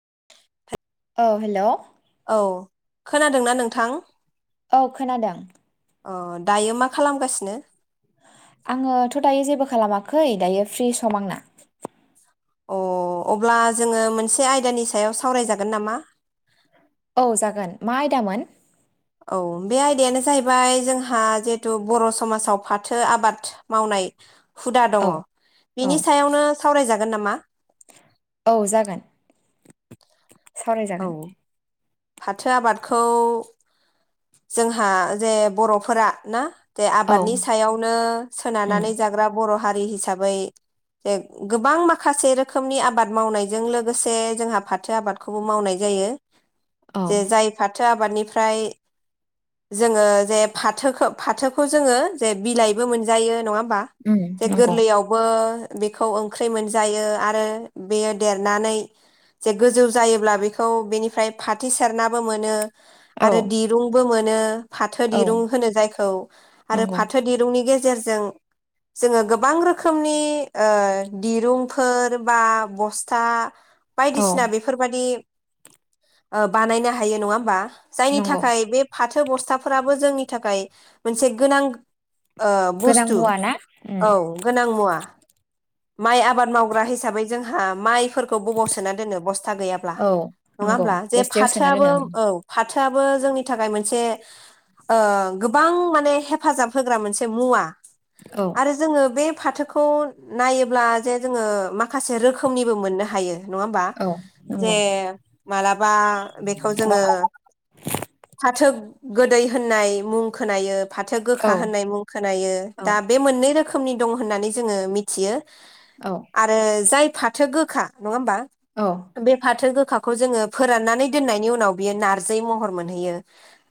[unintelligible] औ हेलौ औ खोनादोंना नोंथां? औ खोनादों। अ दायो मा खालामगासिनो? आङोथ' दायो जेबो खालामाखै दायो फ्रि सम आंना। अ अब्ला जोङो मोनसे आयदानि सायाव सावरायजागोन नामा? औ जागोन मा आयदामोन? औ बे आयदायानो जाहैबाय जोंहा जिहेतु बर' समाजाव फाथो आबाद मावनाय हुदा औ दङ' औ बिनि सायावनो? सावरायजागोन नामा? औ जागोन। औ सावरायजागोन। फाथो आबादखौ जोंहा जे बर'फोरा ना दे औ आबादनि सायावनो उम सोनारनानै जाग्रा बर' हारि हिसाबै जे गोबां माखासे रोखोमनि आबाद मावनायजों लोगोसे जोंहा फाथो आबादखौबो मावनाय जायो। औ जे जाय फाथो आबादनिफ्राय जोङो जे फाथोखौ फाथोखौ जोङो जे बिलाइबो मोनजायो नङा होन बा? उम जे नंगौ गोरलैयावबो बेखौ ओंख्रि मोनजायो आरो बेयो देरनानै जे गोजौ जायोब्ला बेखौ बेनिफ्राय फाथो सेरनाबो मोनो। औ आरो दिरुंबो मोनो। मोनो फाथो दिरुं औ होनो जायखौ आरो नंगौ फाथो दिरुंनि गेजे जेरजों जोङो गोबां रोखोमनि ओ दिरुंफोर बा बस्था औ बायदिसिना बेफोरबादि ओ बानायनो हायो नङा होमबा? जायनि नंगौ थाखाय बे फाथो बस्थाफोराबो जोंनि थाखाय मोनसे गोनां ओ गोनां बुस्थु मुवा ना उम औ गोनां मुवा। माइ आबाद मावग्रा हिसाबै जोंहा माइफोर खौ बबाव सोना दोननो बस्था गैयाब्ला औ नङा नंगौ होनब्ला? जे बस्थायाव सोना फाथोआबो दोनो औ फाथ फाथोआबो जोंनि थाखाय मोनसे गोबां माने हेफाजाब होग्रा मोनसे मुवा ओं आरो जोङो बे फाथोखौ नायोब्ला जे जोङो माखासे रोखोमनिबो मोननो हायो नङा होमबा औ जे नंगौ मालाबा बेखौ जोङो फाथो गोदै होननाय मुं खोनायो फाथो औ गोखा होननाय मुं खोनायो औ दा बे मोननै रोखोम रोखोमनि दं होननानै जोङो मिथि थियो औ आरो जाय फाथो गोखा नङा होमबा औ बे फाथिनो खाखौ जोङो फोराननानै दोननायनि उनाव बियो नारजि महर मोनहैयो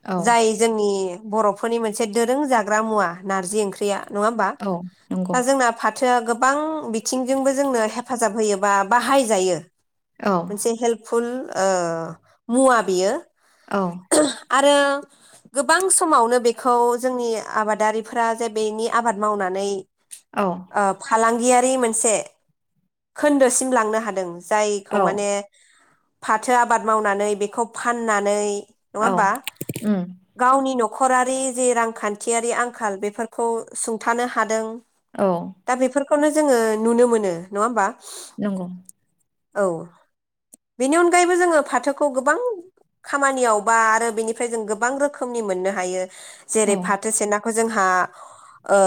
औ जाय जोंनि बर'फोरनि मोनसे दोरों जाग्रा मुवा नारजि ओंख्रिया नङा होमबा औ नंगौ दा जोंना फा सो गोबां बिद बिथिंजोंबो जोंनो हेफाजाब होयो, बा बाहाय जायो। औ मोनसे हेल्पफुल, ओ मुवा बियो औ आरो गोबां समावनो बेखौ जोंनि आबादारिफोरा जे बेनि आबाद मावनानै, औ ओ फालांगियारि मोनसे खोन्दोसिम लांनो हादों। जायखौ औ माने फाथो आबाद मावनानै बेखौ फाननानै, नङा औ होमबा उम गावनि न' न'खरारि जि रांखान्थियारि आंखाल बेफोरखौ सुंथानो हादों। औ दा बेफोरखौनो जोङो नुनो मोनो नङा होमबा, नंगौ औ बेनि अनगायैबो जोङो फाथोखौ गोबां खामानियाव बा आरो बेनिफ्राय जों गोबां रोखोमनि मोननो हायो। औ जेरै फाथो सेना, जोंहा ओ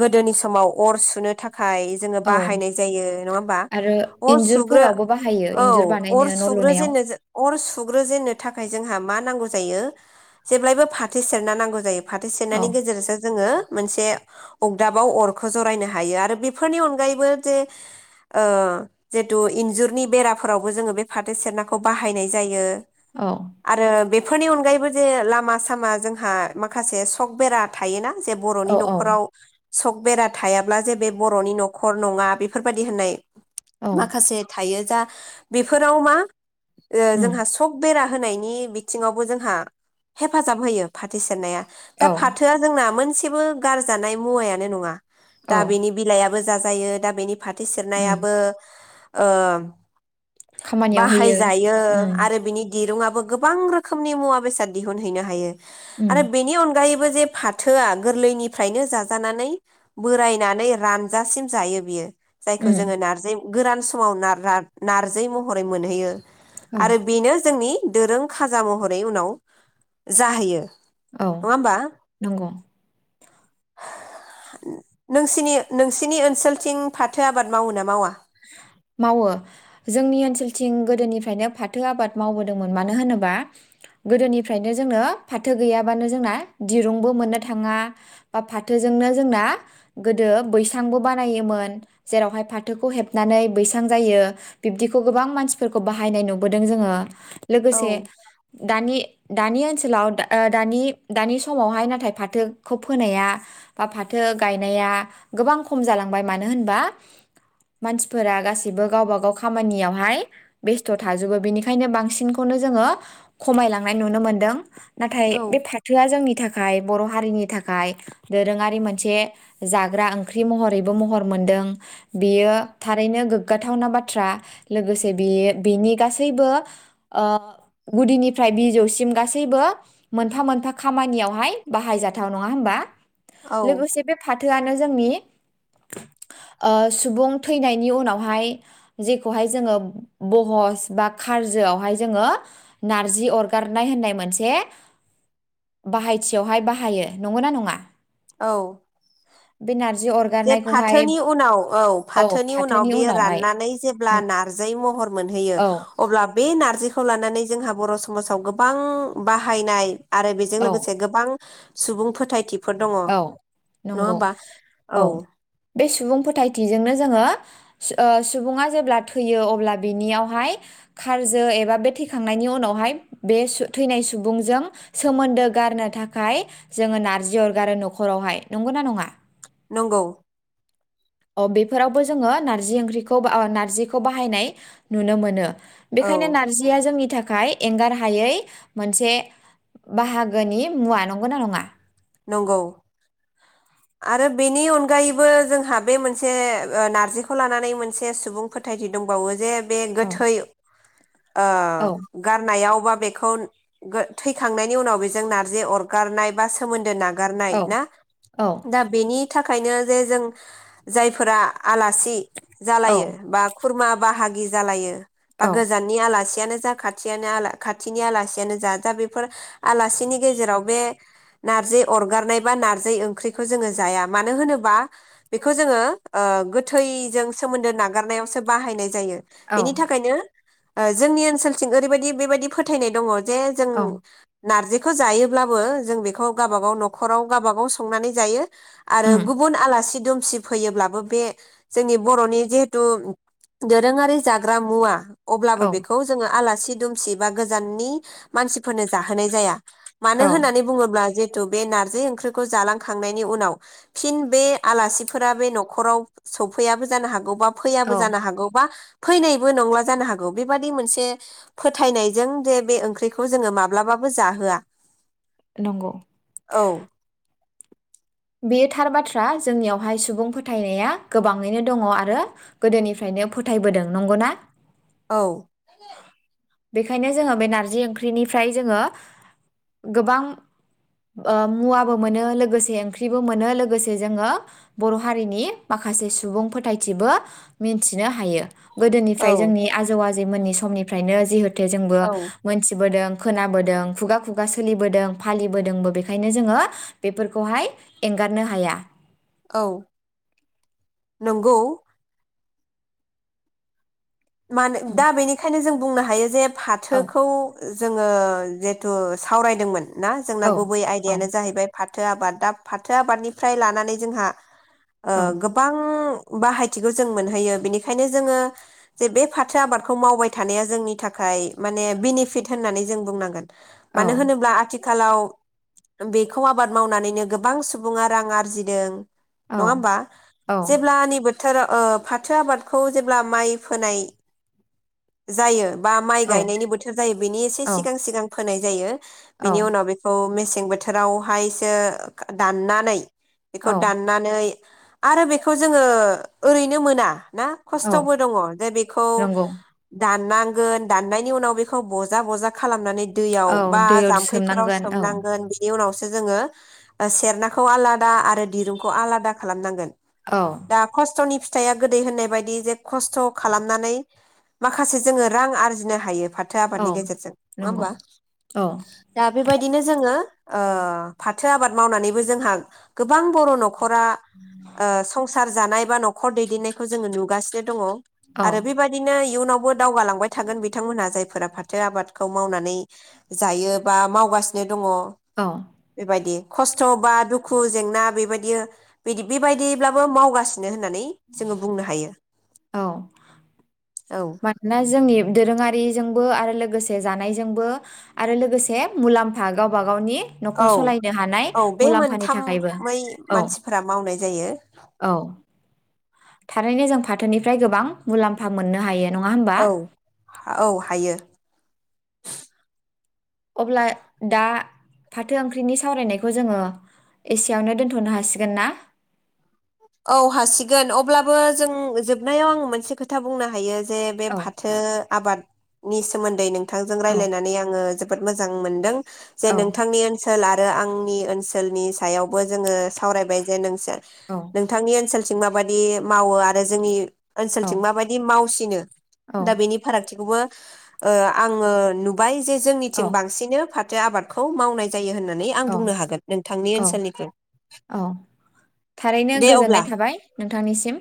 गोदोनि समाव अर सु सुनो थाख थाखाय जोङो औ बाहायनाय जायो नङा होमबा आरो अर सुग्रो इन्जुरफोरावबो बाहायो औ इन्जुर अर बानायनो न' सुग्रो लुनायाव जेननो, अर सुग्रोजेननो थाखाय जोंहा मा नांगौ जायो जेब्लायबो फाथो सेरना नांगौ जायो, फाथो औ सेरनायनि गेजेरजों जोङो मोनसे अगदाबाव अरखौ जरायनो हायो आरो बेफोरनि अनगायैबो ओ जे जितु इन्जुरनि बेराफोरावबो जोङो बे फाथो सेरनाखौ बाहायनाय जायो। औ आरो बे बेफोरनि अनगायैबो जे लामा सामा जोंहा माखासे सक बेरा थायोना? जे बर'नि औ औ न'खराव सक बेरा थायाब ब्ला जे बे बर'नि न'खर नङा बेफोरबायाददि होननाय औ माखासे थायो। दा बेफोराव मा उम जोंहा सक बेरा होनायनि बिथिङावबो जोंहा हेफाजाब होयो फारथि सेरनाया औ दा फाथोआ जोंना मोनसे मोनसेबो गारजानाय मुवायानो नङा। औ दा बेनि बिलाइआ ब जाजायो दा बेनि फाथो उम सेरनायाबो ओ खामानियाव होयो बाहायजायो उम आरो बिनि दिरुंङआबो गोबां रोखोमनि मुवा बेसाद दिहुनहैनो हायो। उम आरो बेनि अनगायै बो जे फाथोआ गोरलैनिफ्रायनो जाजानानै बोरायनानै रानजासिम जायो बियो। जायखौ उम जोङो नारजि गोरान समाव नार्जि महरै मोनहैयो। औ आरो बेनो जोंनि दोरों खाजा महरै उनाव जाहैयो। औ नङा होमबा नंगौ। नोंसिनि नोंसिनि ओनसोलथिं फाथो आबाद मावो ना मावा? मावो जोंनि ओनसोलथिं गोदोनिफ्रायनो फाथो आबाद मावबोदोंमोन मानो होनोबा गोदोनिफ्रायनो जोंनो फाथो गैयाबानो जोंना दिरुंबो मोननो थाङा बा फाथोजोंनो जोंना गोदो बैसांबो बानायोमोन जेरावहाय फाथोखौ हेब नानै बैसां जायो बिब्दिखौ गोबां मानसिफोरखौ बाहायनाय नुबोदों जोङो। औ लोगोसे दानि दानि ओनसोलाव दानि दानि समावहाय नाथाय फाथोखौ फोनाया बा फाथो गायनाया गोबां खम जालांबाय मानो होनबा मानसिफोरा गासैबो गावब गाव खामानियावहाय बेस्थ' थाजोबो बेनिखायनो बांसिनखौनो जोङो खमायलांनाय नुनो मोनदों। नाथाय बे फाथोआ जोंनि थाखाय बर' हारिनि थाखाय दोरोङारि मोनसे जाग्रा ओंख्रि महरैबो महर मोनदों। बेयो थारैनो गोग्गाथावना बाथ्रा लोगोसे बे बेनि गासैबो ओ गुदिनिफ्राय बिजौसिम गासैबो मोनफा मोनफा खामानियावहाय बाहायजाथाव नङा होनबा? औ लोगोसे बे फाथ थोआनो जोंनि ओ सुबुं थैनायनि उनावहाय जेखौहाय जोङो बहस बा खारजोआवहाय जोङो नारजि अरगारनाय होननाय मोनसे बाहायथियावहाय बाहायो नंगौ ना नङा? औ बे नार जे फाथोनि उनाव औ फाथ थोनि उनाव फाथोनि बेयो उनावहाय राननानै जेब्ला नारजै महर मोनहैयो औ अब्ला बे नारजिखौ लानानै जोंहा बर समाजाव गोबां बाहायनाय आरो बेजों औ लोगोसे गोबां सुबुं फोथायथि फोर दङ औ नङा नंगौ होमबा? औ बे सु सुबुं फोथायथिजोंनो जोङो सु ओह सुबुङा जेब्ला थैयो अब्ला बिनियावहाय खारजो एबा बे थैखांनायनि उनावहाय बे सु थैनाय सुबुंजों सोमोन्दो गारनो थाखाय जोङो नारजि अर गारो नखरावहाय नंगौ ना नङा? नंगौ। अह बेफोरावबो जोङो नारजि ओंख्रिखौ बा ओ नारजिखौ बाहायनाय नुनो मोनो। औ बेखायनो नारजिया जोंनि थाख थाखाय एंगार हायै मोनसे बाहागोनि मुवा नंगौना नङा? नंगौ आरो बेनि अनगायैबो जोंहा बे मोनसे नारजिखौ लानानै मोनसे सुबुं फोथायथि दंबावो जे बे औ गोथै ओह औ गारनायाव बा बेख खौ गो थैखांनायनि उनाव बेजों नारजि अरगारनाय बा सो सोमोन्दो ना नागारनाय औ ना औ दा बेनि थाखायनो जे जों जायफोरा आलासि औ जालायो बा खुरमा बाहागि जालायो। बा औ गोजाननि आलासि नो जा खाथियानो आला खाथिनि आलासियानो जा दा बेफोर आलासिनि गेजेराव बे नार्जि अरगारनाय बा नार्जि ओंख्रिखौ जोङो जाया मानो होनोबा बेखौ जोङो ओ गोथैजों सोमोन्दो नागारनायावसो बाहायनाय जायो। औ बेनि थाखायनो। ओह जोंनि ओनसोलथिं ओरैबायदि बेबायाददि फोथायनाय दङ। जे जों। औ नारजिखौ जायोब्लाबो जों बेखौ गाबागाव नखराव गाबागाव संनानै जायो। आरो उम गुबुन आलासि दु सि फैयोब्लाबो बे जोंनि बर'नि जिहेथु दोरोङारि जाग्रा मुवा अब्लाबो औ बेखौ जोङो आलासि दुमसि बा गोजाननि मानसिफोरनो जाहोनाय जाया। मानो औ होननानै बुङोब्ला जे थु बे नारजि ओंख्रिखौ जालांखांनायनि उनाव फिन बे आलासिफोरा बे नखराव सौफैयाबो जानो हागौ बा औ फैयाबो जानो हागौ बा फैनायबो नङा जानो हागौ बेबादि मोनसे फोथायनायजों जे बे ओंख्रिखौ जोङो माब्लाबाबो जाहोआ। नंगौ। औ बेयो थार बाथ्रा जोंनियावहाय सुबुं फोथायनाया गोबाङैनो दङ आरो गोदोनिफ्रायनो फोथायबोदों नंगौना। औ। बेखायनो जोङो बे नारजि ओंख्रिनिफ्राय जोङो गोबां ओ मुवाबो मोनो लोगोसे ओं ख्रिबो मोनो लोगोसे जोङो बर' हारिनि माखासे सुबुं फोथायथिबो मिथिनो हायो। गोदोनिफ्राय औ जोंनि आजौ आ जै मोननि समनिफ्रायनो जिहोथ थे जोंबो औ मोनथिबोदों खोनाबोदों खुगा खुगा सोलिबोदों फालिबोदोंबो बेखायनो जोङो बेफोरखौहाय एंगारनो हाया औ नंगौ। मानो दा बेनिखायनो जों बुंनो हायो जे औ फाथोखौ जोङो जिहेथु सावरायदोंमोन ना जोंना औ गुबै औ आयदायानो जाहैबाय फा थो आबाद दा फाथो आबादनिफ्राय लानानै जोंहा ओ औ गोबां बाहायथिखौ जों मोनहैयो बेनिखायनो जोङो जे बे फाथो आबादखौ मावबाय थानाया जोंनि थाखाय माने बेनिफिट होननानै जों बुंनांगोन मानो औ होनोब्ला आथि खालाव बेखौ आबाद मावनानैनो गोबां सुबुङा रां आरजिदों। नङा औ होमबा औ जेब्ला नि बो थोरो ओ फाथो आबादखौ जेब्ला माइ फोनाय जायो। बा माइ औ गायनायनि बोथोर जायो बेनि एसे औ सिगां सिगां होनाय जायो। बेनि औ उनाव बेखौ मे सें बोथोरावहायसो दाननानै बेखौ औ दाननानै आरो बेखौ जोङो ओरैनो मोना। ना औ खस्थ'बो दङ। बेखौ नंगौ दाननांगोन दाननायनि उनाव बेखौ बजा बजा खालामनानै दैयाव औ बा दैयाव जाम्फैफोराव सोमनांगोन औ सोमनांगोन बेनि उनावसो जोङो सेरनाखौ आलादा आरो दिरुंखौ आलादा खालामनांगोन। औ दा खस्थ'नि फि थाइआ गोदै होननाय बायदि जे खस्थ' खालामनानै माखासे जोङो रां आरजिनो हायो। फाथो औ आबादनि गेजेरजों नङा नंगौ होमबा औ दा बेबायदिनो जोङो ओ फाथ थो आबाद मावनानैबो जोंहा गोबां बर' न खरा ओ संसार जानाय बा न'खर दैदेननायखौ जोङो नुगानो दङ। औ आरो बेबायदिनो इयुनाव दावगालांबाय थागोन बिथांमोनहा जाय फोरा फाथो आबादखौ मावनानै जायो बा मावगासिनो। दङ औ बेबायदि। खस्थ' बा दुखु जेंना बेबायदि बिदि बेबायदिब्लाबो मावगासि नो होननानै जोङो बुंनो हायो। औ औ मानोना जोंनि दोरोङारि जोंबो आरो लोगोसे जानाय जोंबो आरो लोगोसे मुलाम्फा गावबा गावनि औ न'खर सालायनो हानाय औ बे मुलाम्फानि थाखायबो मोनथामै औ मानसिफोरा मावनाय जायो। औ थारैनो जों फाथोनिफ्राय गोबां मुलाम्फा मोननो हायो। नङा होमबा औ औ हायो। अब्ला दा फाथो ओंख्रिनि सावरायनायखौ जोङो एसेयावनो दोनथ'नो हासिगोन ना? औ हासिगोन अब्लाबो जों जोबनायाव आं मोनसे खोथा बुंनो हायो। जे बे औ फाथो आबाद नि सोमोन्दै नों थांजों औ रायलायनानै आङो जोब जोबोद मोजां मोनदों। जे औ नोंथांनि ओनसोला रो आंनि ओनसोलनि सायावबो जोङो सावरायबाय जे नोंसो औ थांनि ओनसोलथिं माबायदि मावो आरो जोंनि औ ओनसोलथिं माबायदि मावसिनो औ दा बेनि फारागथिखौबो ओ आङो नुबाय जे जोंनिथिं औ बांसिनो फाथ आबादखौ मावनाय यो होननानै आं औ बुंनो हागोन नोंथांनि औ औ थारैनो ओनसोलनिखौ गोजोननाय थाबाय नों नोंथांनिसिम